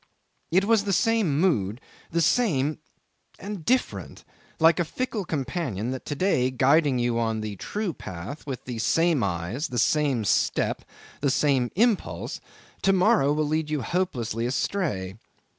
It was the same mood, the same and different, like a fickle companion that to day guiding you on the true path, with the same eyes, the same step, the same impulse, to morrow will lead you hopelessly astray.